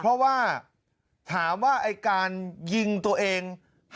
เพราะว่าถามว่าไอ้การยิงตัวเอง